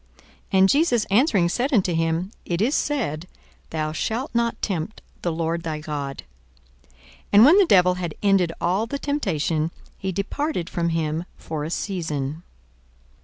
42:004:012 And Jesus answering said unto him, It is said, Thou shalt not tempt the Lord thy God. 42:004:013 And when the devil had ended all the temptation, he departed from him for a season.